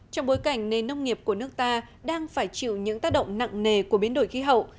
trong bối cảnh nền nông nghiệp của nước ta đang phải chịu những tác động nặng nề của biến đổi khí hậu